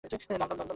লাল, লাল গোলাপ।